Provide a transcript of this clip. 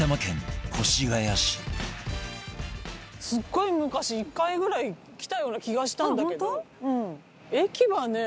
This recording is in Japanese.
すごい昔１回ぐらい来たような気がしたんだけど駅はね。